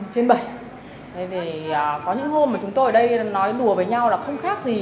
thế thì có những hôm mà chúng tôi ở đây nói đùa với nhau là không khác gì